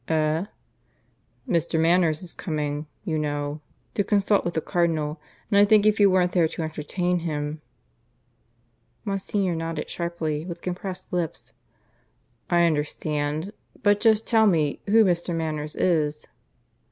"Eh?" "Mr. Manners is coming, you know, to consult with the Cardinal; and I think if you weren't there to entertain him " Monsignor nodded sharply, with compressed lips. "I understand. But just tell me who Mr. Manners is?"